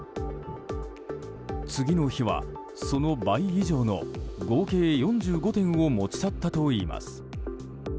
次の日はその倍以上の合計４５点を持ち去ったといいます。